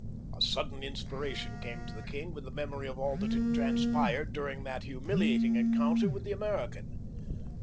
A sudden inspiration came to the king with the memory of all that had transpired during that humiliating encounter with the American.